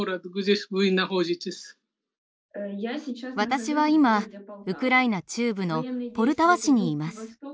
私は今ウクライナ中部のポルタワ市にいます。